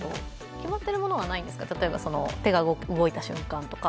決まっているものはないんですか、例えば手が動いた瞬間とか？